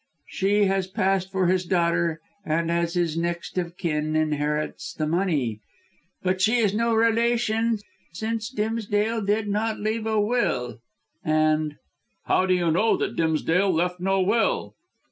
She has passed for his daughter and, as his next of kin, inherits the money. But she is no relation, since Dimsdale did not leave a will and " "How do you know that Dimsdale left no will?"